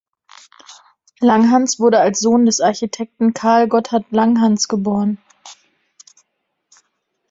Langhans wurde als Sohn des Architekten Carl Gotthard Langhans geboren.